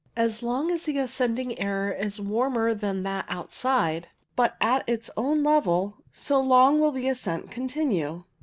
As long as the ascending air is warmer than that outside, but at its own level, so long will ascent continue.